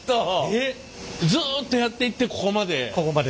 ずっとやっていってここまで？